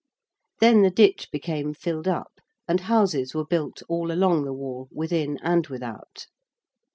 Then the ditch became filled up and houses were built all along the Wall within and without.